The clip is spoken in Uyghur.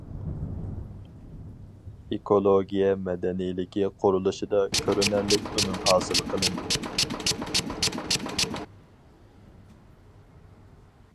ئېكولوگىيە مەدەنىيلىكى قۇرۇلۇشىدا كۆرۈنەرلىك ئۈنۈم ھاسىل قىلىندى.